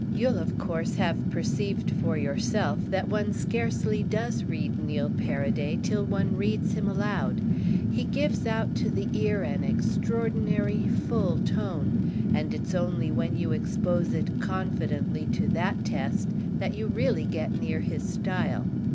You'll of course have perceived for yourself that one scarcely does read Neil Paraday till one reads him aloud; he gives out to the ear an extraordinary full tone, and it's only when you expose it confidently to that test that you really get near his style.